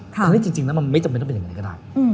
เพราะฉะนั้นจริงแล้วมันไม่จำเป็นต้องเป็นอย่างไรก็ได้